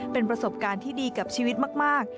เป็นประสบการณ์ที่ดีกับชีวิตมาก